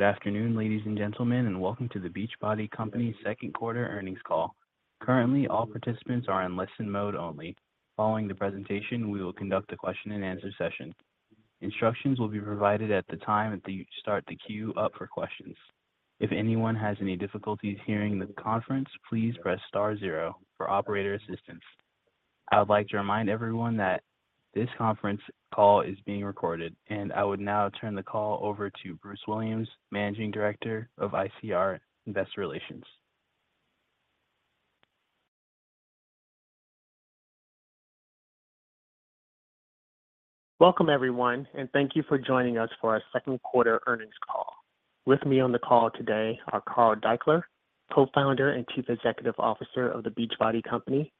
Good afternoon, ladies and gentlemen, and welcome to The Beachbody Company's second quarter earnings call. Currently, all participants are in listen mode only. Following the presentation, we will conduct a question-and-answer session. Instructions will be provided at the time that you start to queue up for questions. If anyone has any difficulties hearing the conference, please press star zero for operator assistance. I would like to remind everyone that this conference call is being recorded. I would now turn the call over to Bruce Williams, Managing Director of ICR Investor Relations. Welcome, everyone, and thank you for joining us for our second quarter earnings call. With me on the call today are Carl Daikeler, Co-Founder and Chief Executive Officer of The Beachbody Company,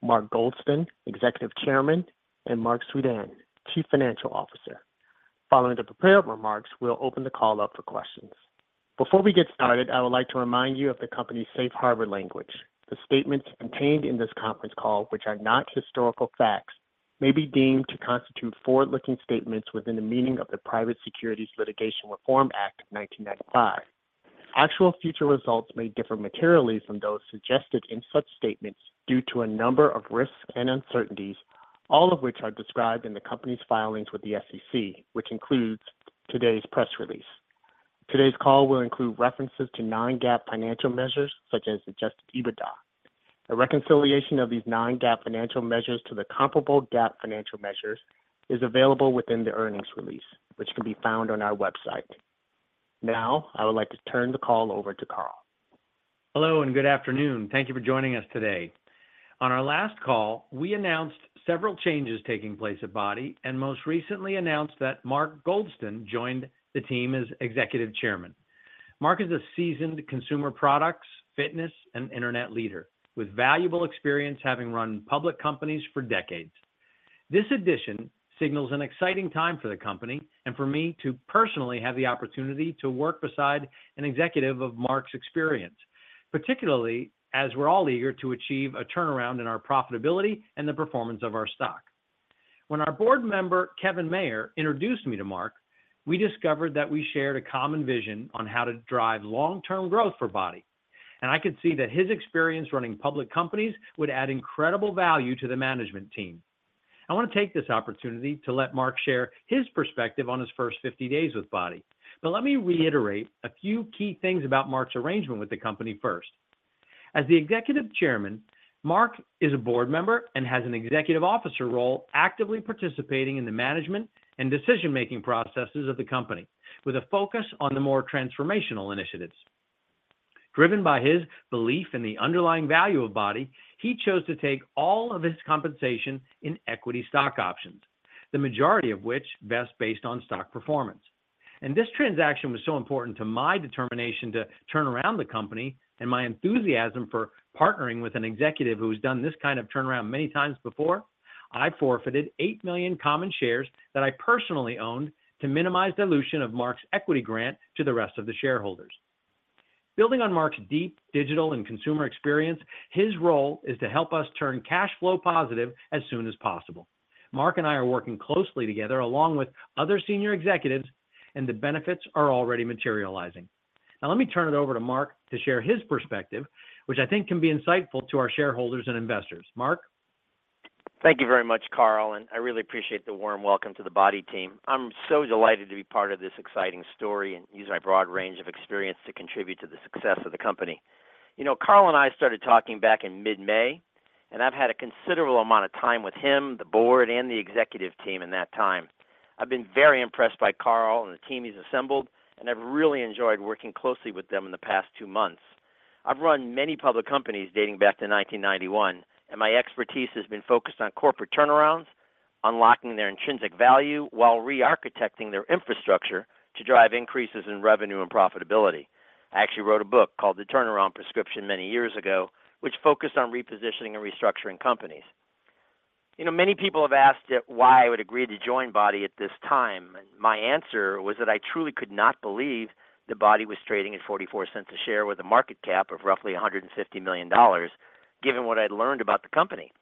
Mark Goldston, Executive Chairman, and Marc Suidan, Chief Financial Officer. Following the prepared remarks, we'll open the call up for questions. Before we get started, I would like to remind you of the company's safe harbor language. The statements contained in this conference call, which are not historical facts, may be deemed to constitute forward-looking statements within the meaning of the Private Securities Litigation Reform Act of 1995. Actual future results may differ materially from those suggested in such statements due to a number of risks and uncertainties, all of which are described in the company's filings with the SEC, which includes today's press release. Today's call will include references to non-GAAP financial measures, such as Adjusted EBITDA. A reconciliation of these non-GAAP financial measures to the comparable GAAP financial measures is available within the earnings release, which can be found on our website. Now, I would like to turn the call over to Carl. Hello, and good afternoon. Thank you for joining us today. On our last call, we announced several changes taking place at BODi, and most recently announced that Mark Goldston joined the team as Executive Chairman. Mark is a seasoned consumer products, fitness, and internet leader with valuable experience having run public companies for decades. This addition signals an exciting time for the company and for me to personally have the opportunity to work beside an executive of Mark's experience, particularly as we're all eager to achieve a turnaround in our profitability and the performance of our stock. When our board member, Kevin Mayer, introduced me to Mark, we discovered that we shared a common vision on how to drive long-term growth for BODi, and I could see that his experience running public companies would add incredible value to the management team. I want to take this opportunity to let Mark share his perspective on his first 50 days with BODi. Let me reiterate a few key things about Mark's arrangement with the company first. As the Executive Chairman, Mark is a board member and has an executive officer role, actively participating in the management and decision-making processes of the company, with a focus on the more transformational initiatives. Driven by his belief in the underlying value of BODi, he chose to take all of his compensation in equity stock options, the majority of which vest based on stock performance. This transaction was so important to my determination to turn around the company and my enthusiasm for partnering with an executive who has done this kind of turnaround many times before, I forfeited $8 million common shares that I personally owned to minimize dilution of Marc's equity grant to the rest of the shareholders. Building on Marc's deep digital and consumer experience, his role is to help us turn cash flow positive as soon as possible. Marc and I are working closely together, along with other senior executives, and the benefits are already materializing. Now, let me turn it over to Marc to share his perspective, which I think can be insightful to our shareholders and investors. Mark? Thank you very much, Carl. I really appreciate the warm welcome to the BODi team. I'm so delighted to be part of this exciting story and use my broad range of experience to contribute to the success of the company. You know, Carl and I started talking back in mid-May. I've had a considerable amount of time with him, the board, and the executive team in that time. I've been very impressed by Carl and the team he's assembled. I've really enjoyed working closely with them in the past two months. I've run many public companies dating back to 1991. My expertise has been focused on corporate turnarounds, unlocking their intrinsic value, while re-architecting their infrastructure to drive increases in revenue and profitability. I actually wrote a book called The Turnaround Prescription many years ago, which focused on repositioning and restructuring companies. You know, many people have asked why I would agree to join BODi at this time, and my answer was that I truly could not believe that BODi was trading at $0.44 a share with a market cap of roughly $150 million, given what I'd learned about the company.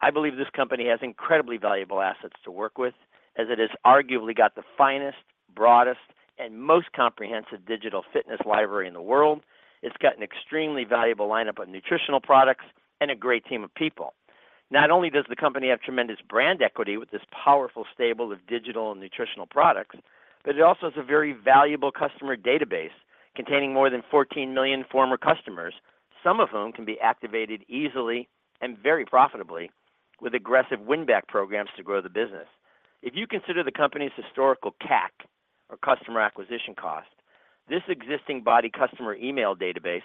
I believe this company has incredibly valuable assets to work with, as it has arguably got the finest, broadest, and most comprehensive digital fitness library in the world. It's got an extremely valuable lineup of nutritional products and a great team of people. Not only does the company have tremendous brand equity with this powerful stable of digital and nutritional products, but it also has a very valuable customer database containing more than 14 million former customers, some of whom can be activated easily and very profitably with aggressive win-back programs to grow the business. If you consider the company's historical CAC, or Customer Acquisition Cost, this existing BODi customer email database,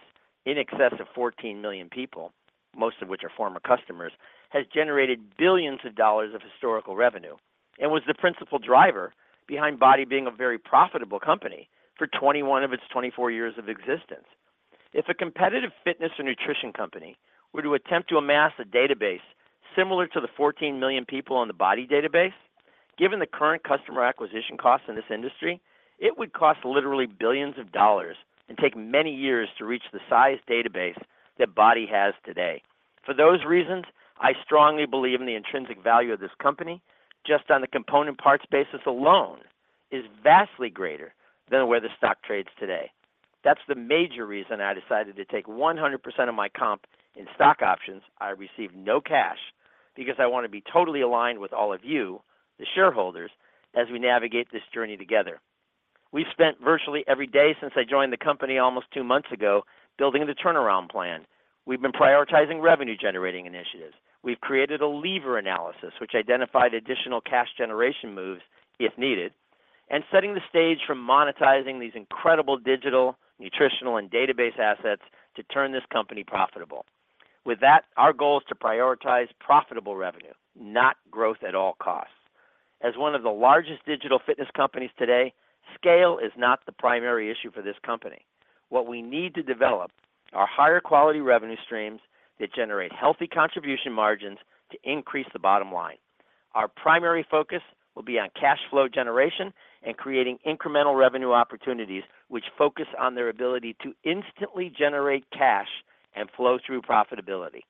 in excess of 14 million people, most of which are former customers, has generated billions of dollars of historical revenue and was the principal driver behind BODi being a very profitable company for 21 of its 24 years of existence. If a competitive fitness or nutrition company were to attempt to amass a database similar to the 14 million people on the BODi database, given the current customer acquisition costs in this industry, it would cost literally billions of dollars and take many years to reach the size database that BODi has today. For those reasons, I strongly believe in the intrinsic value of this company, just on the component parts basis alone, is vastly greater than where the stock trades today. That's the major reason I decided to take 100% of my comp in stock options. I received no cash, because I want to be totally aligned with all of you, the shareholders, as we navigate this journey together. We've spent virtually every day since I joined the company almost two months ago, building the turnaround plan. We've been prioritizing revenue-generating initiatives. We've created a lever analysis, which identified additional cash generation moves if needed, and setting the stage for monetizing these incredible digital, nutritional, and database assets to turn this company profitable. With that, our goal is to prioritize profitable revenue, not growth at all costs. As one of the largest digital fitness companies today, scale is not the primary issue for this company. What we need to develop are higher quality revenue streams that generate healthy contribution margins to increase the bottom line. Our primary focus will be on cash flow generation and creating incremental revenue opportunities, which focus on their ability to instantly generate cash and flow through profitability.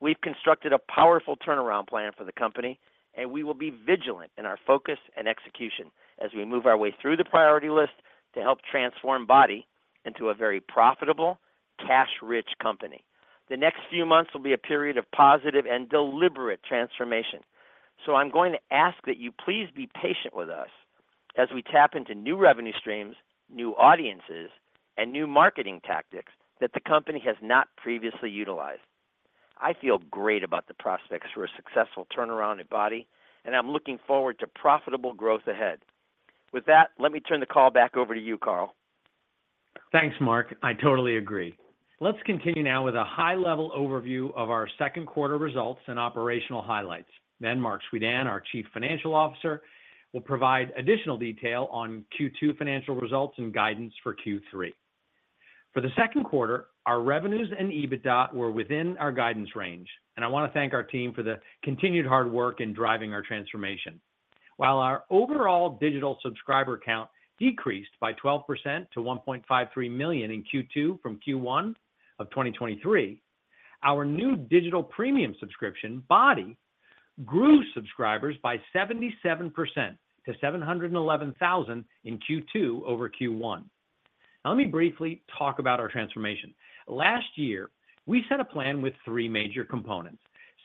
We've constructed a powerful turnaround plan for the company, and we will be vigilant in our focus and execution as we move our way through the priority list to help transform BODi into a very profitable, cash-rich company. The next few months will be a period of positive and deliberate transformation. I'm going to ask that you please be patient with us as we tap into new revenue streams, new audiences, and new marketing tactics that the company has not previously utilized. I feel great about the prospects for a successful turnaround at BODi, and I'm looking forward to profitable growth ahead. With that, let me turn the call back over to you, Carl. Thanks, Mark. I totally agree. Let's continue now with a high-level overview of our second quarter results and operational highlights. Marc Suidan, our Chief Financial Officer, will provide additional detail on Q2 financial results and guidance for Q3. For the second quarter, our revenues and EBITDA were within our guidance range, and I want to thank our team for the continued hard work in driving our transformation. While our overall digital subscriber count decreased by 12% to 1.53 million in Q2 from Q1 of 2023, our new digital premium subscription, BODi, grew subscribers by 77% to 711,000 in Q2 over Q1. Now, let me briefly talk about our transformation. Last year, we set a plan with three major components: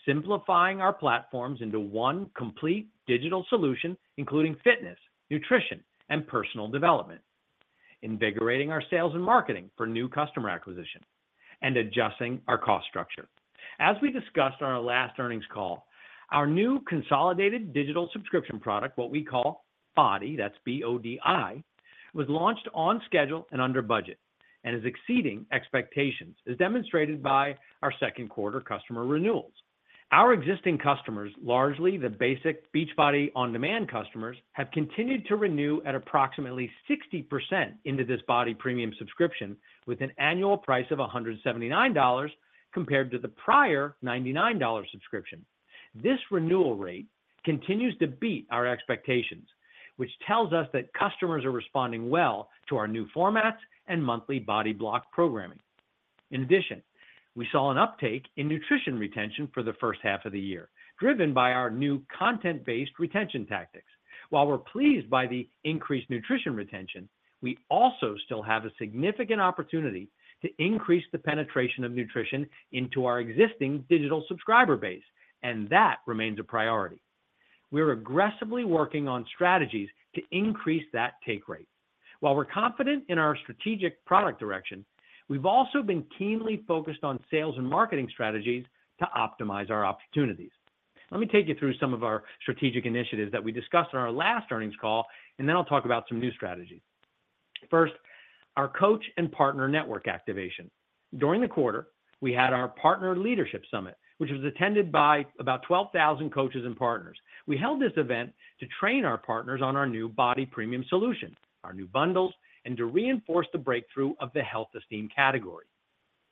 simplifying our platforms into one complete digital solution, including fitness, nutrition, and personal development; invigorating our sales and marketing for new customer acquisition; and adjusting our cost structure. As we discussed on our last earnings call, our new consolidated digital subscription product, what we call BODi, that's B-O-D-I, was launched on schedule and under budget, and is exceeding expectations, as demonstrated by our second quarter customer renewals. Our existing customers, largely the basic Beachbody On Demand customers, have continued to renew at approximately 60% into this BODi premium subscription, with an annual price of $179, compared to the prior $99 subscription. This renewal rate continues to beat our expectations, which tells us that customers are responding well to our new formats and monthly BODi Block programming. We saw an uptake in nutrition retention for the first half of the year, driven by our new content-based retention tactics. While we're pleased by the increased nutrition retention, we also still have a significant opportunity to increase the penetration of nutrition into our existing digital subscriber base, and that remains a priority. We're aggressively working on strategies to increase that take rate. While we're confident in our strategic product direction, we've also been keenly focused on sales and marketing strategies to optimize our opportunities. Let me take you through some of our strategic initiatives that we discussed on our last earnings call, and then I'll talk about some new strategies. First, our coach and partner network activation. During the quarter, we had our Partner Leadership Summit, which was attended by about 12,000 coaches and partners. We held this event to train our partners on our new BODi Premium solution, our new bundles, and to reinforce the breakthrough of the Health Esteem category.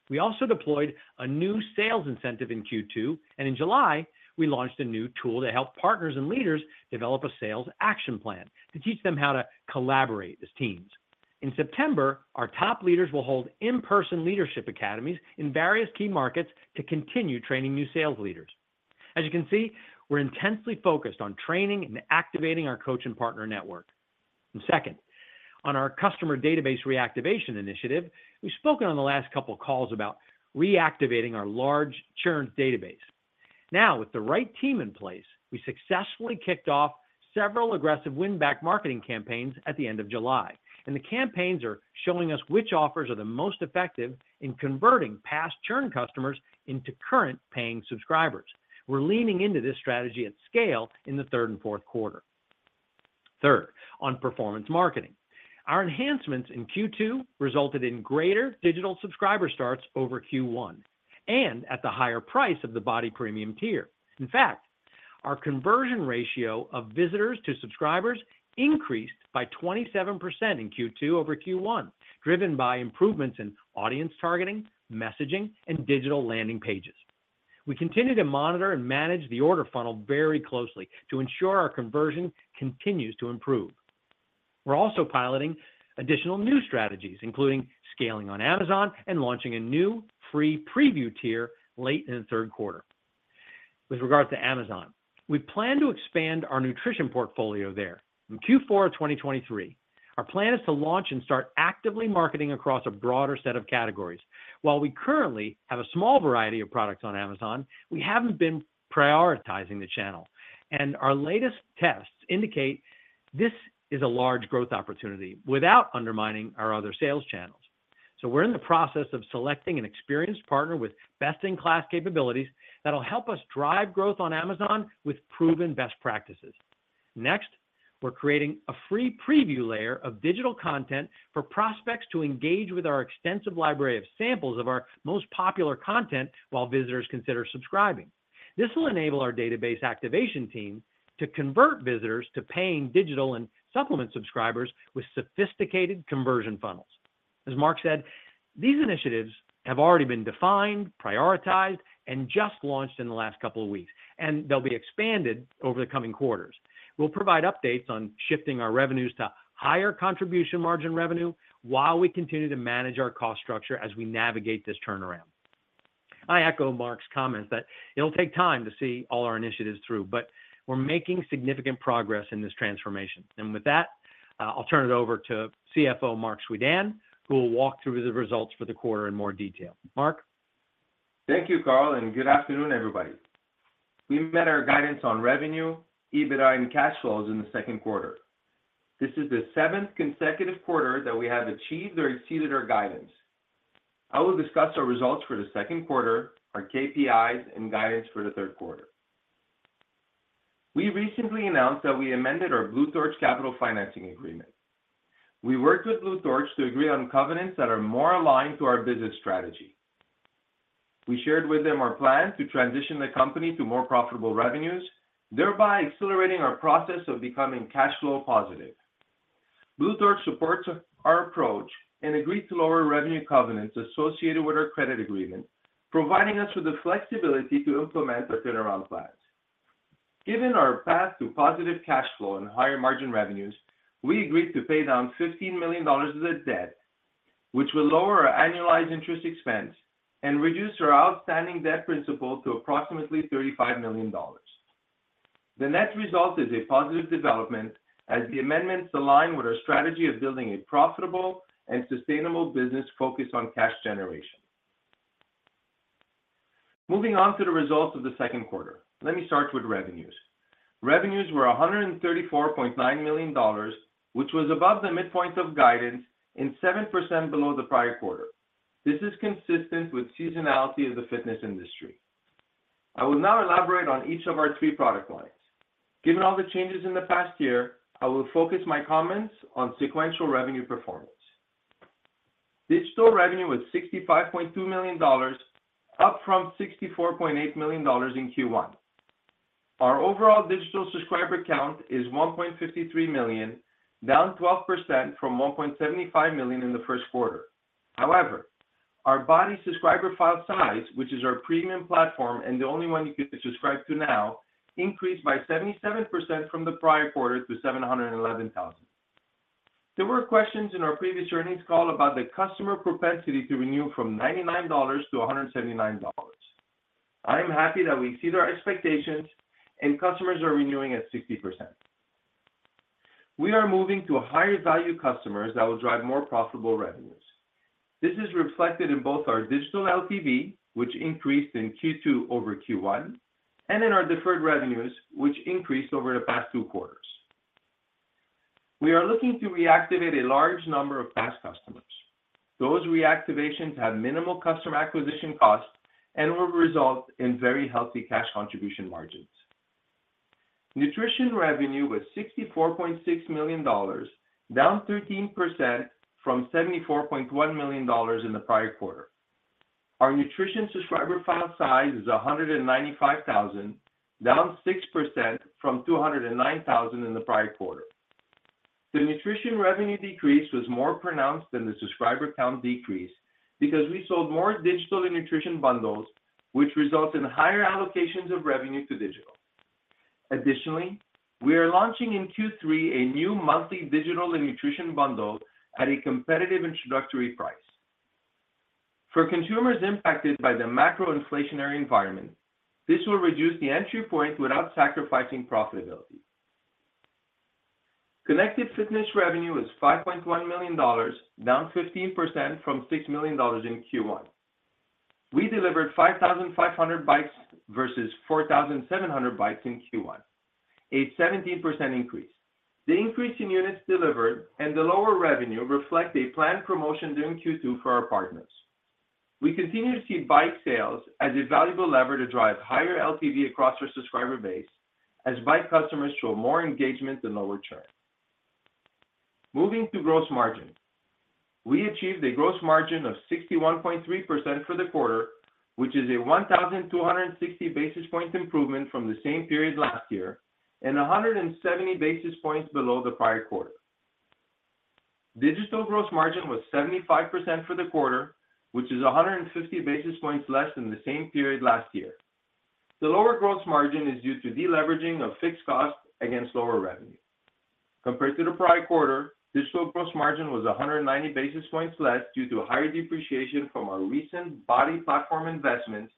We also deployed a new sales incentive in Q2, and in July, we launched a new tool to help partners and leaders develop a sales action plan to teach them how to collaborate as teams. In September, our top leaders will hold in-person leadership academies in various key markets to continue training new sales leaders. As you can see, we're intensely focused on training and activating our coach and partner network. Second, on our customer database reactivation initiative, we've spoken on the last couple of calls about reactivating our large churned database. Now, with the right team in place, we successfully kicked off several aggressive win-back marketing campaigns at the end of July, and the campaigns are showing us which offers are the most effective in converting past churned customers into current paying subscribers. We're leaning into this strategy at scale in the third and fourth quarter. Third, on performance marketing. Our enhancements in Q2 resulted in greater digital subscriber starts over Q1 and at the higher price of the BODi Premium tier. In fact, our conversion ratio of visitors to subscribers increased by 27% in Q2 over Q1, driven by improvements in audience targeting, messaging, and digital landing pages. We continue to monitor and manage the order funnel very closely to ensure our conversion continues to improve. We're also piloting additional new strategies, including scaling on Amazon and launching a new free preview tier late in the third quarter. With regards to Amazon, we plan to expand our nutrition portfolio there in Q4 of 2023. Our plan is to launch and start actively marketing across a broader set of categories. While we currently have a small variety of products on Amazon, we haven't been prioritizing the channel, and our latest tests indicate this is a large growth opportunity without undermining our other sales channels. We're in the process of selecting an experienced partner with best-in-class capabilities that will help us drive growth on Amazon with proven best practices. Next, we're creating a free preview layer of digital content for prospects to engage with our extensive library of samples of our most popular content while visitors consider subscribing. This will enable our database activation team to convert visitors to paying digital and supplement subscribers with sophisticated conversion funnels. As Mark said, these initiatives have already been defined, prioritized, and just launched in the last couple of weeks, and they'll be expanded over the coming quarters. We'll provide updates on shifting our revenues to higher contribution margin revenue while we continue to manage our cost structure as we navigate this turnaround. I echo Mark's comments that it'll take time to see all our initiatives through, but we're making significant progress in this transformation. With that, I'll turn it over to CFO, Marc Suidan, who will walk through the results for the quarter in more detail. Marc? Thank you, Carl, and good afternoon, everybody. We met our guidance on revenue, EBITDA, and cash flows in the second quarter. This is the seventh consecutive quarter that we have achieved or exceeded our guidance. I will discuss our results for the second quarter, our KPIs, and guidance for the third quarter. We recently announced that we amended our Blue Torch Capital financing agreement. We worked with Blue Torch to agree on covenants that are more aligned to our business strategy. We shared with them our plan to transition the company to more profitable revenues, thereby accelerating our process of becoming cash flow positive. Blue Torch supports our approach and agreed to lower revenue covenants associated with our credit agreement, providing us with the flexibility to implement our turnaround plans. Given our path to positive cash flow and higher margin revenues, we agreed to pay down $15 million of the debt, which will lower our annualized interest expense and reduce our outstanding debt principal to approximately $35 million. The net result is a positive development as the amendments align with our strategy of building a profitable and sustainable business focused on cash generation. Moving on to the results of the second quarter. Let me start with revenues. Revenues were $134.9 million, which was above the midpoint of guidance and 7% below the prior quarter. This is consistent with seasonality of the fitness industry. I will now elaborate on each of our three product lines. Given all the changes in the past year, I will focus my comments on sequential revenue performance. Digital revenue was $65.2 million, up from $64.8 million in Q1. Our overall digital subscriber count is 1.53 million, down 12% from 1.75 million in the first quarter. Our BODi subscriber file size, which is our premium platform and the only one you could subscribe to now, increased by 77% from the prior quarter to 711,000. There were questions in our previous earnings call about the customer propensity to renew from $99-$179. I am happy that we exceeded our expectations and customers are renewing at 60%. We are moving to a higher value customers that will drive more profitable revenues. This is reflected in both our digital LTV, which increased in Q2 over Q1, and in our deferred revenues, which increased over the past two quarters. We are looking to reactivate a large number of past customers. Those reactivations have minimal customer acquisition costs and will result in very healthy cash contribution margins. Nutrition revenue was $64.6 million, down 13% from $74.1 million in the prior quarter. Our nutrition subscriber file size is 195,000, down 6% from 209,000 in the prior quarter. The nutrition revenue decrease was more pronounced than the subscriber count decrease because we sold more digital and nutrition bundles, which results in higher allocations of revenue to digital. Additionally, we are launching in Q3 a new monthly digital and nutrition bundle at a competitive introductory price. For consumers impacted by the macro inflationary environment, this will reduce the entry point without sacrificing profitability. Connected fitness revenue is $5.1 million, down 15% from $6 million in Q1. We delivered 5,500 bikes versus 4,700 bikes in Q1, a 17% increase. The increase in units delivered and the lower revenue reflect a planned promotion during Q2 for our partners. We continue to see bike sales as a valuable lever to drive higher LTV across our subscriber base, as bike customers show more engagement and lower churn. Moving to gross margin. We achieved a gross margin of 61.3% for the quarter, which is a 1,260 basis points improvement from the same period last year and 170 basis points below the prior quarter. Digital gross margin was 75% for the quarter, which is 150 basis points less than the same period last year. The lower gross margin is due to deleveraging of fixed costs against lower revenue. Compared to the prior quarter, digital gross margin was 190 basis points less due to higher depreciation from our recent BODi platform investments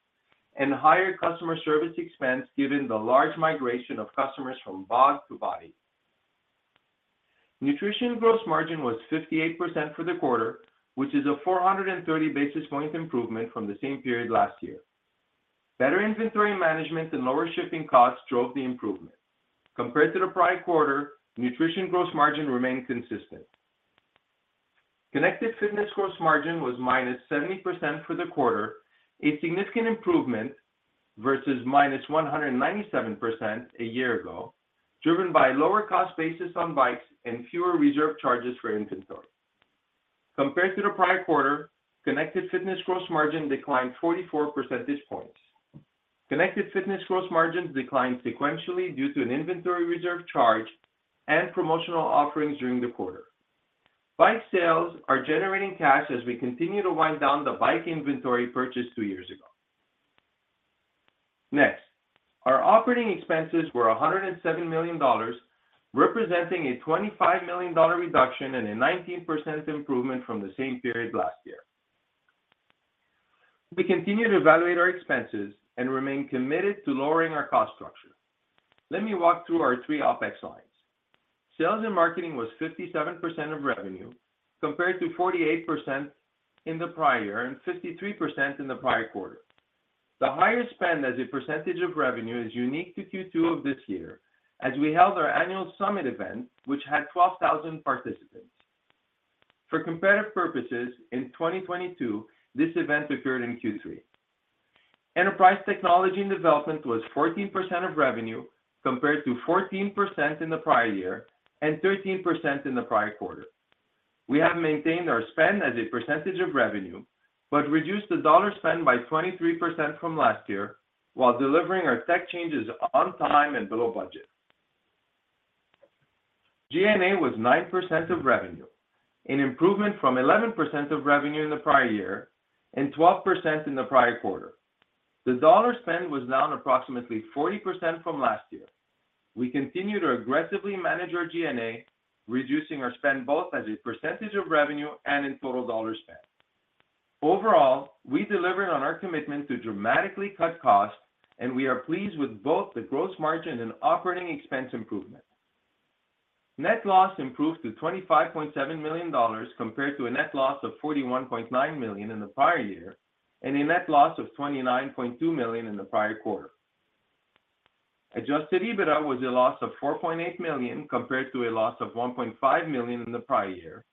and higher customer service expense, given the large migration of customers from BOD to BODi. Nutrition gross margin was 58% for the quarter, which is a 430 basis point improvement from the same period last year. Better inventory management and lower shipping costs drove the improvement. Compared to the prior quarter, nutrition gross margin remained consistent. Connected fitness gross margin was -70% for the quarter, a significant improvement versus -197% a year ago, driven by lower cost basis on bikes and fewer reserve charges for inventory. Compared to the prior quarter, connected fitness gross margin declined 44 percentage points. Connected fitness gross margin declined sequentially due to an inventory reserve charge and promotional offerings during the quarter. Bike sales are generating cash as we continue to wind down the bike inventory purchased two years ago. Our OpEx were $107 million, representing a $25 million reduction and a 19% improvement from the same period last year. We continue to evaluate our expenses and remain committed to lowering our cost structure. Let me walk through our three OpEx lines. Sales and marketing was 57% of revenue, compared to 48% in the prior year and 53% in the prior quarter. The higher spend as a percentage of revenue is unique to Q2 of this year, as we held our annual summit event, which had 12,000 participants. For comparative purposes, in 2022, this event occurred in Q3. Enterprise technology and development was 14% of revenue, compared to 14% in the prior year and 13% in the prior quarter. We have maintained our spend as a percentage of revenue, but reduced the dollar spend by 23% from last year while delivering our tech changes on time and below budget. G&A was 9% of revenue, an improvement from 11% of revenue in the prior year and 12% in the prior quarter. The dollar spend was down approximately 40% from last year. We continue to aggressively manage our G&A, reducing our spend both as a percentage of revenue and in total dollar spend. Overall, we delivered on our commitment to dramatically cut costs, and we are pleased with both the gross margin and operating expense improvement. Net loss improved to $25.7 million, compared to a net loss of $41.9 million in the prior year, and a net loss of $29.2 million in the prior quarter. Adjusted EBITDA was a loss of $4.8 million, compared to a loss of $1.5 million in the prior year,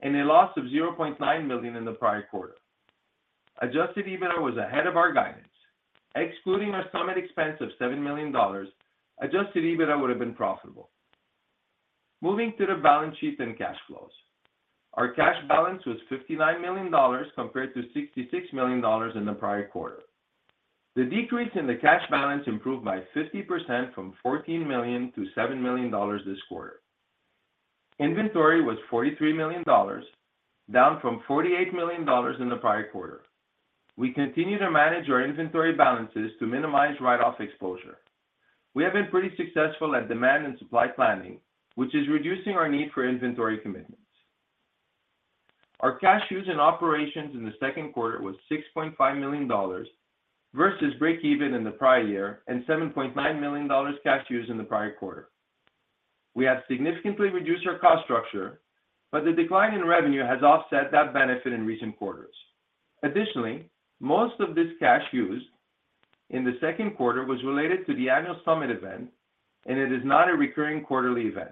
and a loss of $0.9 million in the prior quarter. Adjusted EBITDA was ahead of our guidance. Excluding our summit expense of $7 million, Adjusted EBITDA would have been profitable. Moving to the balance sheet and cash flows. Our cash balance was $59 million, compared to $66 million in the prior quarter. The decrease in the cash balance improved by 50% from $14 million-$7 million this quarter. Inventory was $43 million, down from $48 million in the prior quarter. We continue to manage our inventory balances to minimize write-off exposure. We have been pretty successful at demand and supply planning, which is reducing our need for inventory commitments. Our cash use in operations in the second quarter was $6.5 million, versus breakeven in the prior year, and $7.9 million cash used in the prior quarter. We have significantly reduced our cost structure, but the decline in revenue has offset that benefit in recent quarters. Additionally, most of this cash used in the second quarter was related to the annual summit event, and it is not a recurring quarterly event.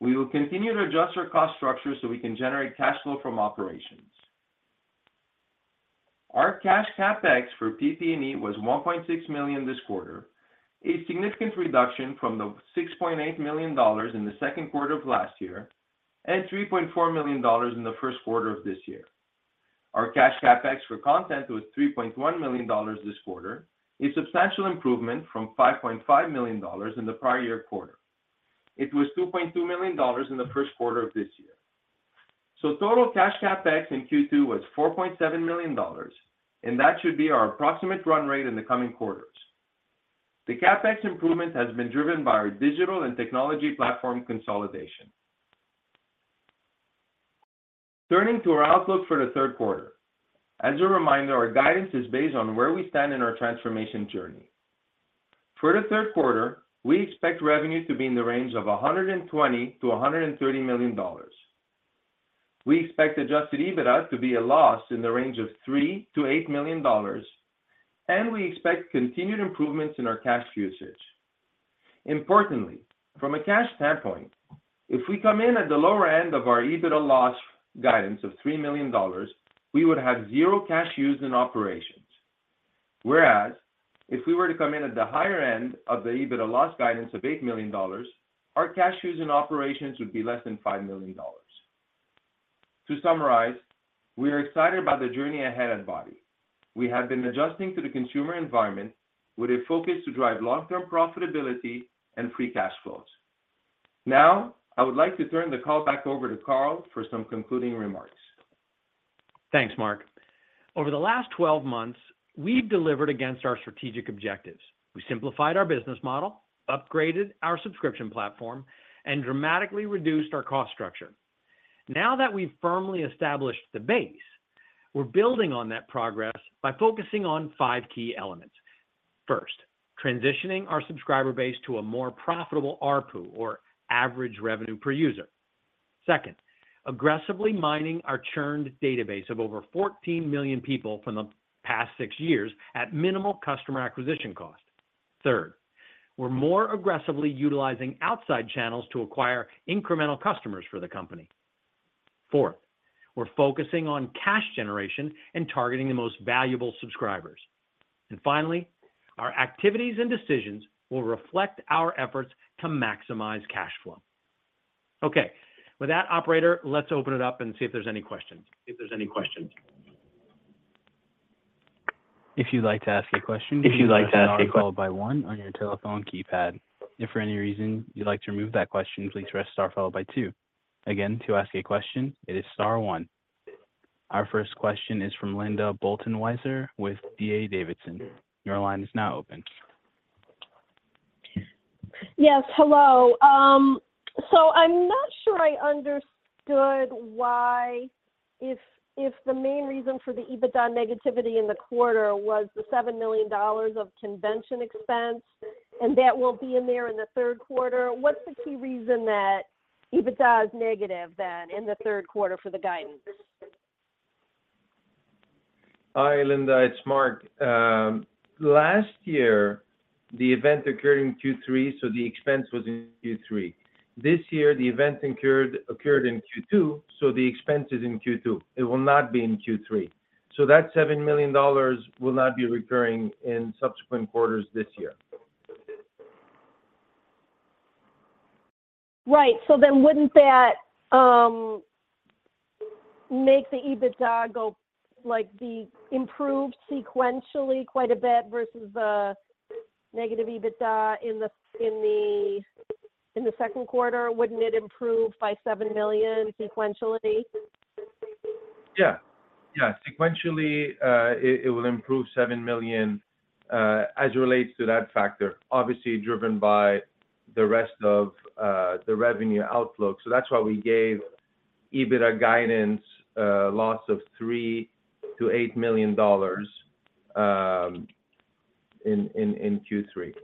We will continue to adjust our cost structure so we can generate cash flow from operations. Our cash CapEx for PP&E was $1.6 million this quarter, a significant reduction from the $6.8 million in the second quarter of last year and $3.4 million in the first quarter of this year. Our cash CapEx for content was $3.1 million this quarter, a substantial improvement from $5.5 million in the prior year quarter. It was $2.2 million in the first quarter of this year. Total cash CapEx in Q2 was $4.7 million, and that should be our approximate run rate in the coming quarters. The CapEx improvement has been driven by our digital and technology platform consolidation. Turning to our outlook for the third quarter. As a reminder, our guidance is based on where we stand in our transformation journey. For the third quarter, we expect revenue to be in the range of $120 million-$130 million. We expect Adjusted EBITDA to be a loss in the range of $3 million-$8 million, We expect continued improvements in our cash usage. Importantly, from a cash standpoint, if we come in at the lower end of our EBITDA loss guidance of $3 million, we would have zero cash used in operations. If we were to come in at the higher end of the EBITDA loss guidance of $8 million, our cash used in operations would be less than $5 million. To summarize, we are excited about the journey ahead at BODi. We have been adjusting to the consumer environment with a focus to drive long-term profitability and free cash flows. I would like to turn the call back over to Carl for some concluding remarks. Thanks, Marc. Over the last 12 months, we've delivered against our strategic objectives. We simplified our business model, upgraded our subscription platform, and dramatically reduced our cost structure. Now that we've firmly established the base, we're building on that progress by focusing on five key elements. First, transitioning our subscriber base to a more profitable ARPU or average revenue per user. Second, aggressively mining our churned database of over 14 million people from the past six years at minimal customer acquisition cost. Third, we're more aggressively utilizing outside channels to acquire incremental customers for the company. Fourth, we're focusing on cash generation and targeting the most valuable subscribers. Finally, our activities and decisions will reflect our efforts to maximize cash flow. Okay, with that, operator, let's open it up and see if there's any questions. If you'd like to ask a question, please press star followed by one on your telephone keypad. If for any reason you'd like to remove that question, please press star followed by two. Again, to ask a question, it is star one. Our first question is from Linda Bolton Weiser with D.A. Davidson. Your line is now open. Yes, hello. I'm not sure I understood why, if the main reason for the EBITDA negativity in the quarter was the $7 million of convention expense, and that will be in there in the third quarter, what's the key reason that EBITDA is negative then in the third quarter for the guidance? Hi, Linda, it's Mark. Last year, the event occurred in Q3, so the expense was in Q3. This year, the event occurred in Q2, so the expense is in Q2. It will not be in Q3, so that $7 million will not be recurring in subsequent quarters this year. Right. Wouldn't that, make the EBITDA go, like, the improved sequentially quite a bit versus the negative EBITDA in the, in the, in the second quarter? Wouldn't it improve by $7 million sequentially? Yeah. Yeah, sequentially, it, it will improve $7 million as it relates to that factor, obviously driven by the rest of the revenue outlook. That's why we gave EBITDA guidance, loss of $3 million-$8 million in, in, in Q3.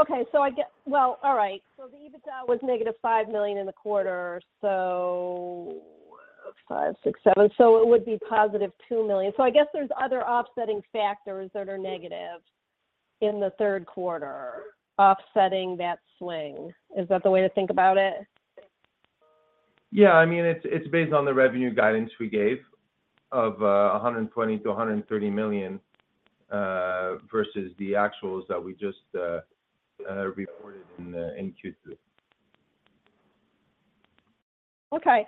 Okay, well, all right. The EBITDA was negative $5 million in the quarter, so 5, 6, 7, so it would be positive $2 million. I guess there's other offsetting factors that are negative in the third quarter, offsetting that swing. Is that the way to think about it? Yeah. I mean, it's, it's based on the revenue guidance we gave of, $120 million-$130 million, versus the actuals that we just, reported in the, in Q3. Okay.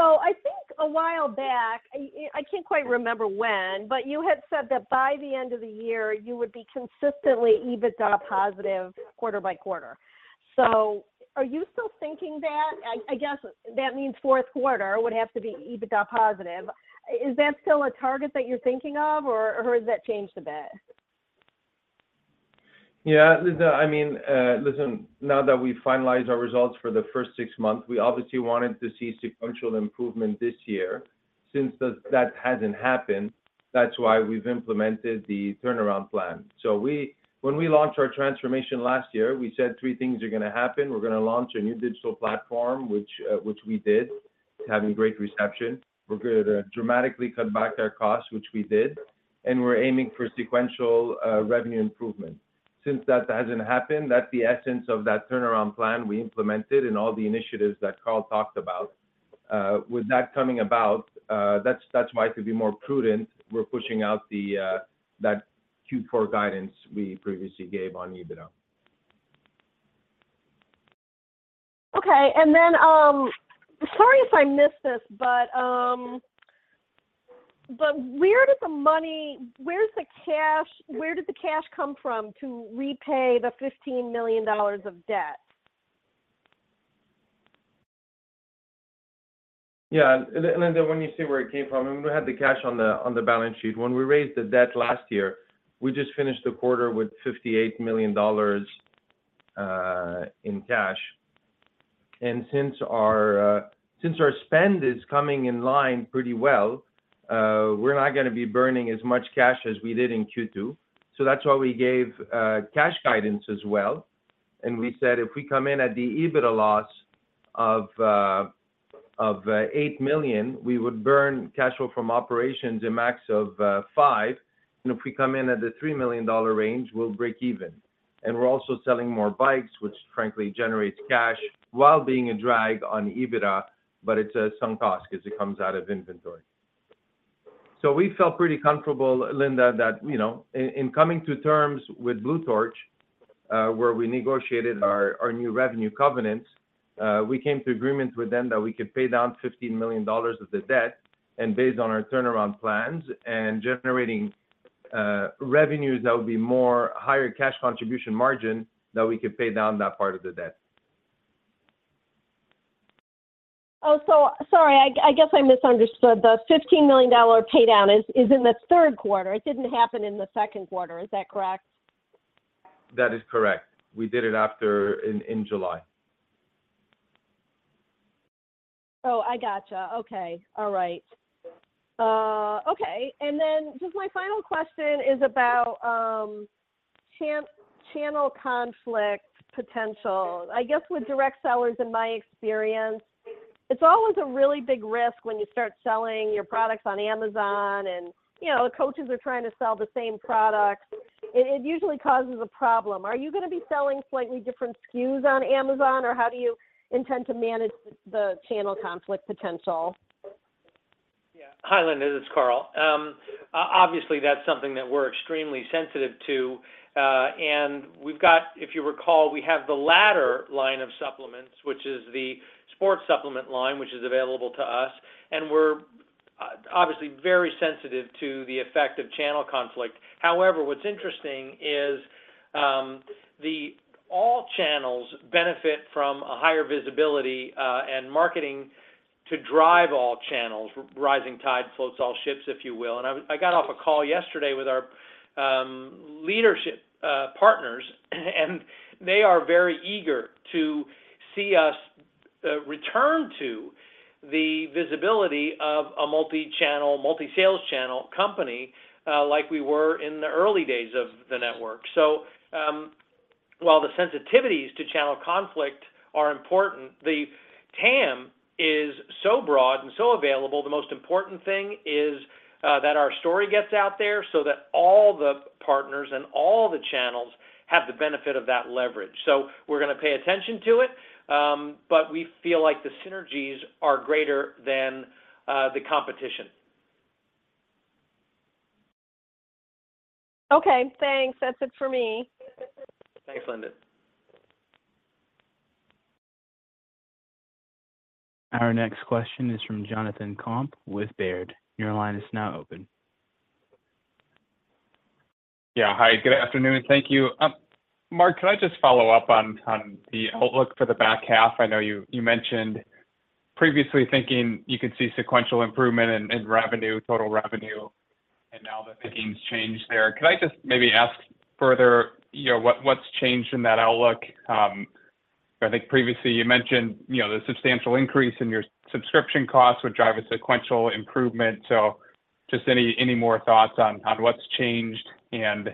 I think a while back, I can't quite remember when, but you had said that by the end of the year, you would be consistently EBITDA positive quarter-by-quarter. Are you still thinking that? I guess that means fourth quarter would have to be EBITDA positive. Is that still a target that you're thinking of, or has that changed a bit? Yeah, Linda, I mean, listen, now that we've finalized our results for the first six months, we obviously wanted to see sequential improvement this year. Since that, that hasn't happened, that's why we've implemented the turnaround plan. When we launched our transformation last year, we said three things are gonna happen. We're gonna launch a new digital platform, which, which we did, having great reception. We're gonna dramatically cut back our costs, which we did, and we're aiming for sequential, revenue improvement. Since that hasn't happened, that's the essence of that turnaround plan we implemented and all the initiatives that Carl talked about. With that coming about, that's, that's why, to be more prudent, we're pushing out the, that Q4 guidance we previously gave on EBITDA. Okay. Then, sorry if I missed this, but, but where did the cash come from to repay the $15 million of debt? Yeah, Linda, when you see where it came from, we had the cash on the balance sheet. When we raised the debt last year, we just finished the quarter with $58 million in cash. Since our spend is coming in line pretty well, we're not gonna be burning as much cash as we did in Q2, so that's why we gave cash guidance as well. We said if we come in at the EBITDA loss of $8 million, we would burn cash flow from operations a max of $5 million. If we come in at the $3 million range, we'll break even. We're also selling more bikes, which frankly generates cash while being a drag on EBITDA, but it's a sunk cost 'cause it comes out of inventory. We felt pretty comfortable, Linda, that, you know, in, in coming to terms with Blue Torch, where we negotiated our, our new revenue covenants, we came to agreements with them that we could pay down $15 million of the debt. Based on our turnaround plans and generating, revenues that would be more higher cash contribution margin, that we could pay down that part of the debt. Oh, so sorry, I guess I misunderstood. The $15 million pay down is in the third quarter. It didn't happen in the second quarter, is that correct? That is correct. We did it after in, in July. I gotcha. Okay. All right. Just my final question is about channel conflict potential. I guess with direct sellers in my experience, it's always a really big risk when you start selling your products on Amazon and, you know, the coaches are trying to sell the same products, it usually causes a problem. Are you gonna be selling slightly different SKUs on Amazon, or how do you intend to manage the channel conflict potential? Yeah. Hi, Linda, this is Carl. obviously, that's something that we're extremely sensitive to, and we've got if you recall, we have the Ladder line of supplements, which is the sports supplement line, which is available to us, and we're obviously very sensitive to the effect of channel conflict. However, what's interesting is, the all channels benefit from a higher visibility, and marketing to drive all channels. Rising tide floats all ships, if you will. I, I got off a call yesterday with our, leadership, partners, and they are very eager to see us, return to the visibility of a multi-channel, multi-sales channel company, like we were in the early days of the network. While the sensitivities to channel conflict are important, the TAM is so broad and so available, the most important thing is that our story gets out there so that all the partners and all the channels have the benefit of that leverage. We're gonna pay attention to it, but we feel like the synergies are greater than the competition. Okay, thanks. That's it for me. Thanks, Linda. Our next question is from Jonathan Komp with Baird. Your line is now open. Yeah. Hi, good afternoon. Thank you. Marc, can I just follow up on, on the outlook for the back half? I know you, you mentioned previously thinking you could see sequential improvement in, in revenue, total revenue. Now that the game's changed there. Can I just maybe ask further, you know, what, what's changed in that outlook? I think previously you mentioned, you know, the substantial increase in your subscription costs would drive a sequential improvement. Just any, any more thoughts on, on what's changed and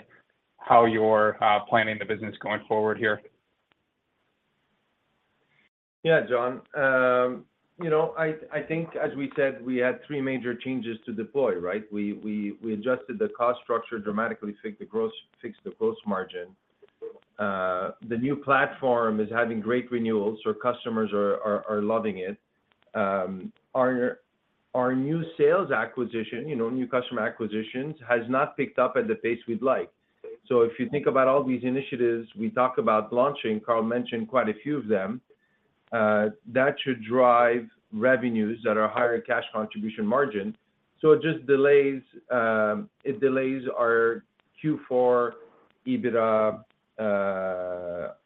how you're planning the business going forward here? Yeah, Jon. you know, I, I think, as we said, we had three major changes to deploy, right? We adjusted the cost structure dramatically to fix the gross, fix the gross margin. The new platform is having great renewals, so customers are loving it. our new sales acquisition, you know, new customer acquisitions, has not picked up at the pace we'd like. If you think about all these initiatives we talked about launching, Carl mentioned quite a few of them, that should drive revenues that are higher cash contribution margin. It just delays, it delays our Q4 EBITDA,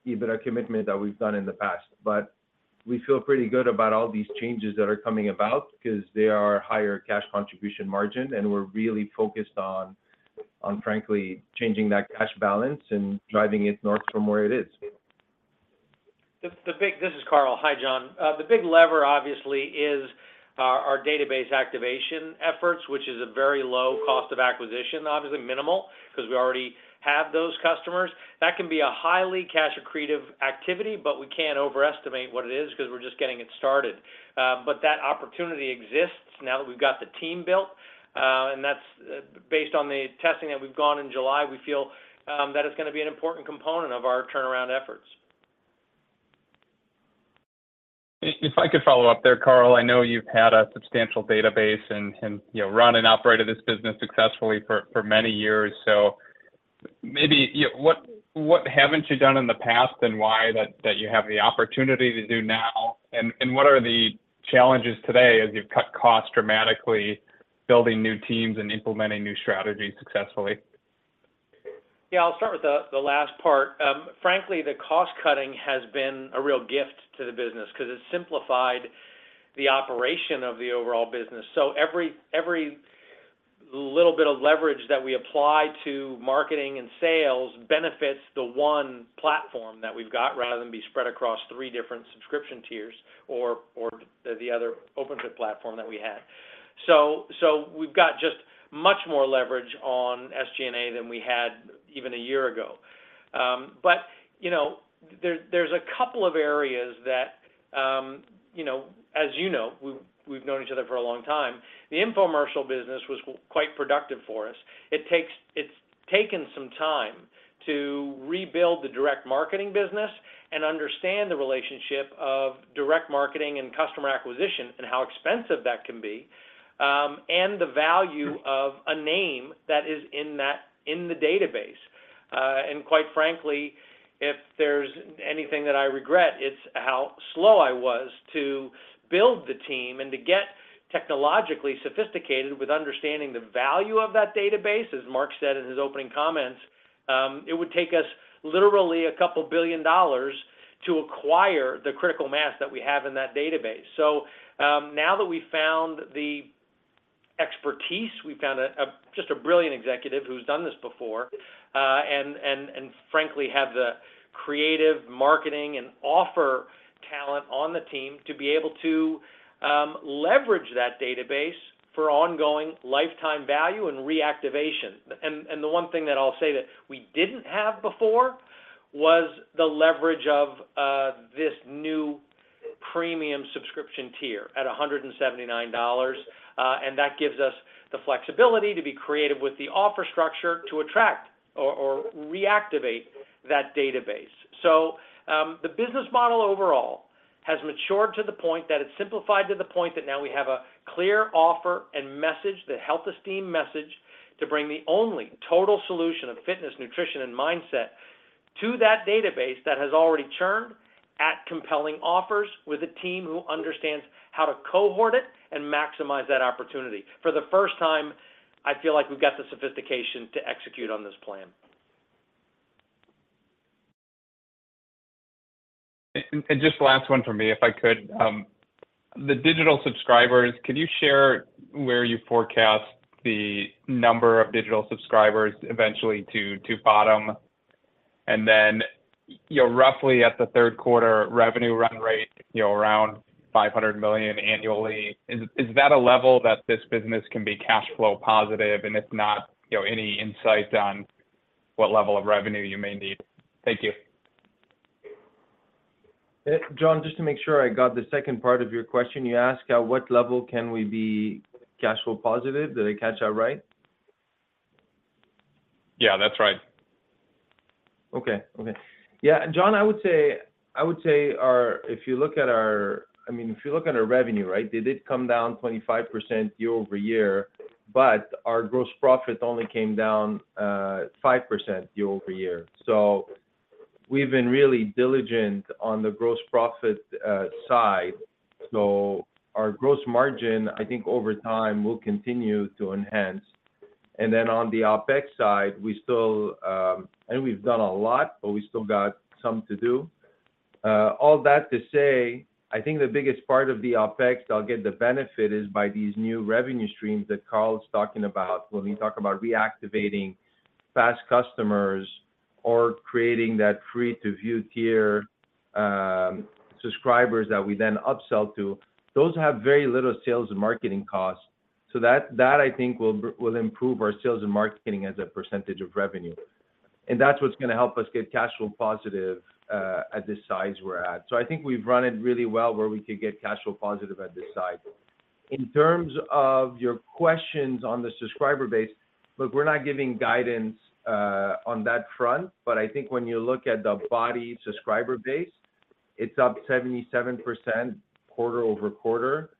EBITDA commitment that we've done in the past. We feel pretty good about all these changes that are coming about because they are higher cash contribution margin, and we're really focused on, on frankly changing that cash balance and driving it north from where it is. This is Carl. Hi, Jon. The big lever, obviously, is our, our database activation efforts, which is a very low cost of acquisition, obviously minimal, 'cause we already have those customers. That can be a highly cash accretive activity, but we can't overestimate what it is, 'cause we're just getting it started. That opportunity exists now that we've got the team built, and that's based on the testing that we've gone in July, we feel that it's gonna be an important component of our turnaround efforts. If I could follow up there, Carl, I know you've had a substantial database and, and, you know, run and operated this business successfully for, for many years. Maybe, you know, what haven't you done in the past and why that, that you have the opportunity to do now? What are the challenges today as you've cut costs dramatically, building new teams and implementing new strategies successfully? Yeah, I'll start with the, the last part. Frankly, the cost cutting has been a real gift to the business, 'cause it's simplified the operation of the overall business. Every, every little bit of leverage that we apply to marketing and sales benefits the one platform that we've got, rather than be spread across three different subscription tiers or, or the, the other Openfit platform that we had. So we've got just much more leverage on SG&A than we had even a year ago. You know, there, there's a couple of areas that, you know, as you know, we've, we've known each other for a long time. The infomercial business was quite productive for us. It's taken some time to rebuild the direct marketing business and understand the relationship of direct marketing and customer acquisition, and how expensive that can be, and the value of a name that is in the database. Quite frankly, if there's anything that I regret, it's how slow I was to build the team and to get technologically sophisticated with understanding the value of that database. As Marc said in his opening comments, it would take us literally $2 billion to acquire the critical mass that we have in that database. Now that we've found the expertise, we've found a just a brilliant executive who's done this before, and frankly have the creative marketing and offer talent on the team to be able to leverage that database for ongoing lifetime value and reactivation. The one thing that I'll say that we didn't have before, was the leverage of this new premium subscription tier at $179, and that gives us the flexibility to be creative with the offer structure to attract or reactivate that database. The business model overall has matured to the point that it's simplified to the point that now we have a clear offer and message, the Health Esteem message, to bring the only total solution of fitness, nutrition, and mindset to that database that has already churned at compelling offers, with a team who understands how to cohort it and maximize that opportunity. For the first time, I feel like we've got the sophistication to execute on this plan. Just last one from me, if I could. The digital subscribers, could you share where you forecast the number of digital subscribers eventually to bottom? Then, you know, roughly at the third quarter revenue run rate, you know, around $500 million annually, is that a level that this business can be cash flow positive? If not, you know, any insight on what level of revenue you may need? Thank you. Jon, just to make sure I got the second part of your question, you asked, at what level can we be cash flow positive? Did I catch that right? Yeah, that's right. Okay. Okay. Yeah, Jon, I would say, I would say our If you look at our I mean, if you look at our revenue, right, they did come down 25% year-over-year, our gross profit only came down 5% year-over-year. We've been really diligent on the gross profit side. Our gross margin, I think over time, will continue to enhance. On the OpEx side, we still I know we've done a lot, but we still got some to do. All that to say, I think the biggest part of the OpEx that'll get the benefit is by these new revenue streams that Carl's talking about, when we talk about reactivating past customers or creating that free-to-view tier, subscribers that we then upsell to, those have very little sales and marketing costs. That, that I think will will improve our sales and marketing as a % of revenue. That's what's gonna help us get cash flow positive at this size we're at. I think we've run it really well where we could get cash flow positive at this size. In terms of your questions on the subscriber base, look, we're not giving guidance on that front, but I think when you look at the BODi subscriber base, it's up 77% quarter-over-quarter.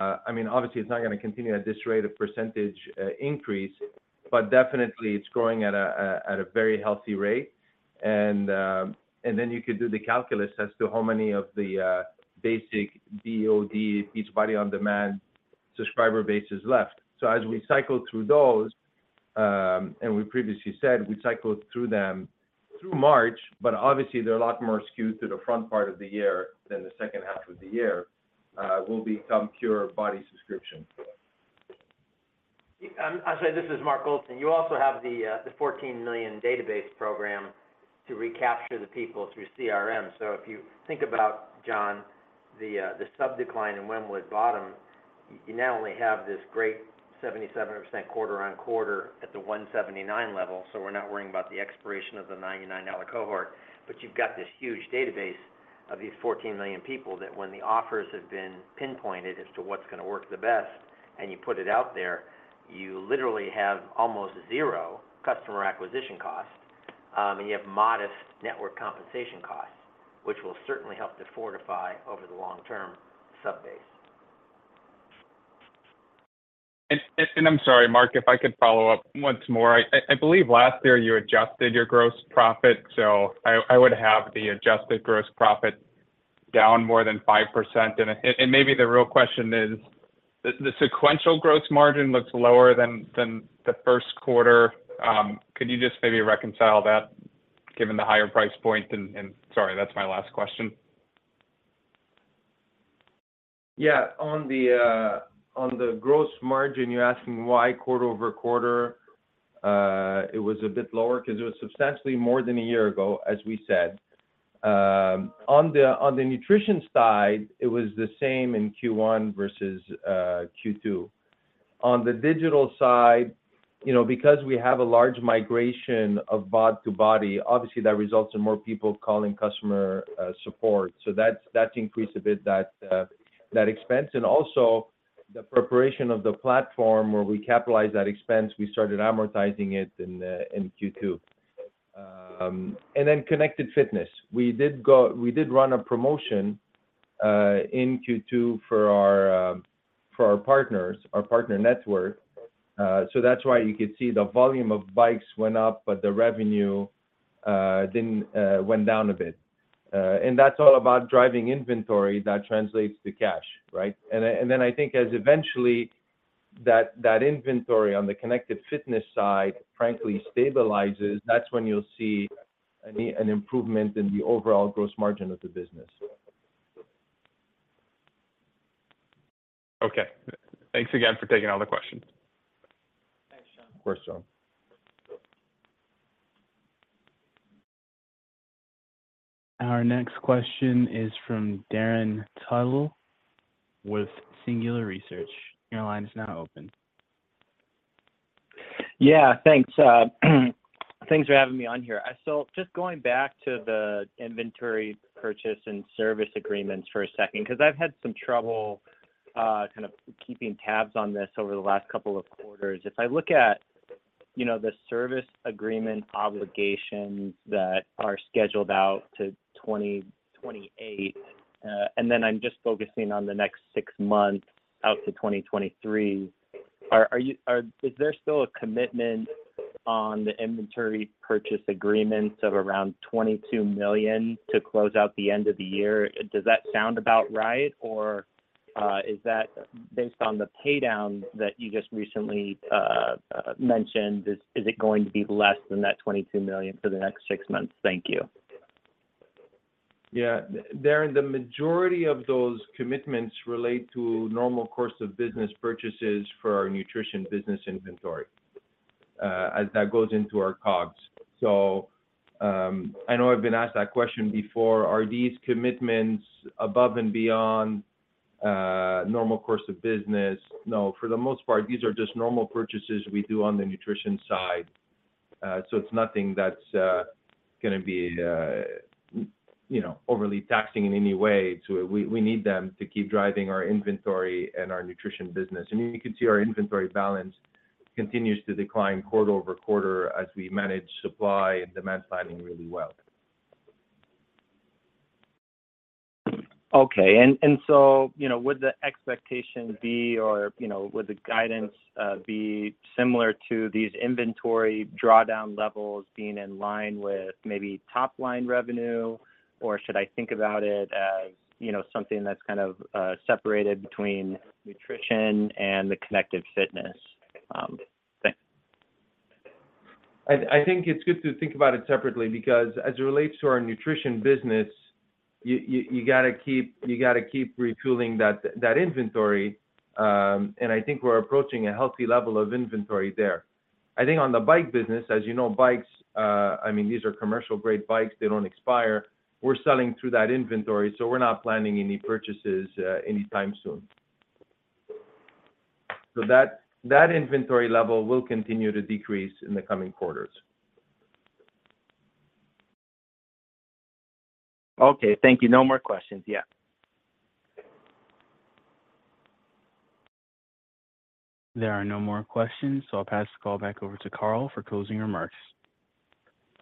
I mean, obviously, it's not gonna continue at this rate of %, increase, but definitely it's growing at a very healthy rate. Then you could do the calculus as to how many of the basic BOD, Beachbody On Demand subscriber base is left. As we cycle through those, and we previously said we cycled through them through March, but obviously, they're a lot more skewed to the front part of the year than the second half of the year, will become pure BODi subscription. I'd say this is Mark Goldston. You also have the 14 million database program to recapture the people through CRM. If you think about, Jon, the sub decline in when would bottom, you not only have this great 77% quarter-over-quarter at the 179 level, so we're not worrying about the expiration of the $99 cohort, but you've got this huge database of these 14 million people, that when the offers have been pinpointed as to what's gonna work the best, and you put it out there, you literally have almost zero customer acquisition costs, and you have modest network compensation costs, which will certainly help to fortify over the long-term subbase. I'm sorry, Marc, if I could follow up once more. I believe last year you adjusted your gross profit, so I would have the adjusted gross profit down more than 5%. Maybe the real question is, the sequential gross margin looks lower than the first quarter. Could you just maybe reconcile that given the higher price point? Sorry, that's my last question. Yeah. On the on the gross margin, you're asking why quarter-over-quarter, it was a bit lower, 'cause it was substantially more than a year ago, as we said. On the on the nutrition side, it was the same in Q1 versus Q2. On the digital side, you know, because we have a large migration of BOD to BODi, obviously, that results in more people calling customer support. That's, that's increased a bit, that expense. Also, the preparation of the platform where we capitalize that expense, we started amortizing it in Q2. Connected fitness. We did run a promotion in Q2 for our for our partners, our partner network. That's why you could see the volume of bikes went up, but the revenue didn't, went down a bit. That's all about driving inventory that translates to cash, right? I think as eventually that inventory on the connected fitness side frankly stabilizes, that's when you'll see an improvement in the overall gross margin of the business. Okay. Thanks again for taking all the questions. Of course, Jon. Our next question is from Darin Tuttle with Singular Research. Your line is now open. Yeah, thanks. Thanks for having me on here. So just going back to the inventory purchase and service agreements for a second, 'cause I've had some trouble kind of keeping tabs on this over the last couple of quarters. If I look at, you know, the service agreement obligations that are scheduled out to 2028, and then I'm just focusing on the next six months out to 2023, is there still a commitment on the inventory purchase agreements of around $22 million to close out the end of the year? Does that sound about right, or is that based on the pay down that you just recently mentioned, is it going to be less than that $22 million for the next six months? Thank you. Yeah. Darin, the majority of those commitments relate to normal course of business purchases for our nutrition business inventory, as that goes into our COGS. I know I've been asked that question before: Are these commitments above and beyond normal course of business? No, for the most part, these are just normal purchases we do on the nutrition side. It's nothing that's gonna be, you know, overly taxing in any way to it. We, we need them to keep driving our inventory and our nutrition business. You can see our inventory balance continues to decline quarter-over-quarter as we manage supply and demand planning really well. Okay. and so, you know, would the expectation be or, you know, would the guidance be similar to these inventory drawdown levels being in line with maybe top line revenue? Should I think about it as, you know, something that's kind of separated between nutrition and the connected fitness? Thanks. I think it's good to think about it separately, because as it relates to our nutrition business, you gotta keep, you gotta keep retooling that, that inventory, and I think we're approaching a healthy level of inventory there. I think on the bike business, as you know, bikes, I mean, these are commercial-grade bikes, they don't expire. We're selling through that inventory, we're not planning any purchases anytime soon. That, that inventory level will continue to decrease in the coming quarters. Okay. Thank you. No more questions. Yeah. There are no more questions. I'll pass the call back over to Carl for closing remarks.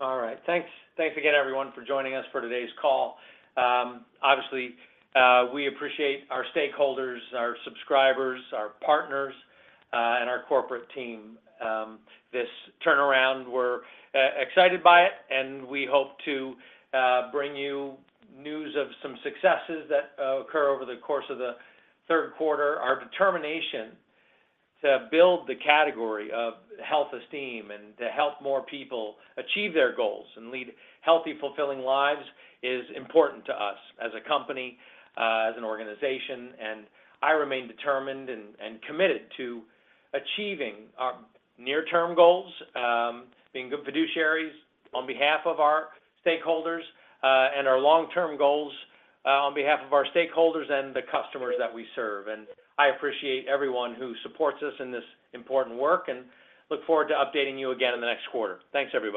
All right. Thanks. Thanks again, everyone, for joining us for today's call. Obviously, we appreciate our stakeholders, our subscribers, our partners, and our corporate team. This turnaround, we're excited by it, and we hope to bring you news of some successes that occur over the course of the third quarter. Our determination to build the category of Health Esteem and to help more people achieve their goals and lead healthy, fulfilling lives is important to us as a company, as an organization, and I remain determined and committed to achieving our near-term goals, being good fiduciaries on behalf of our stakeholders, and our long-term goals on behalf of our stakeholders and the customers that we serve. I appreciate everyone who supports us in this important work, and look forward to updating you again in the next quarter. Thanks, everyone.